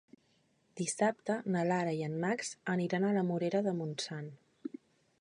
Dissabte na Lara i en Max aniran a la Morera de Montsant.